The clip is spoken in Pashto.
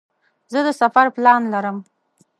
زه د سفر پلان لرم.